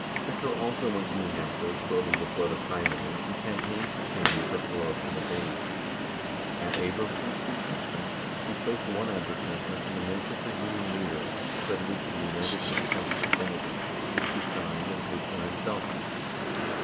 62 Ficker also went to New Hampshire, shortly before the primary, and campaigned for Kennedy for 4 or 5 days. At Abramson's sug gestion, he placed one advertisement in the Manchester Union Leader, credited to the United Democrats for Kennedy, which he signed and paid for himself.